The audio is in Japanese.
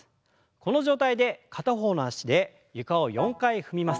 この状態で片方の脚で床を４回踏みます。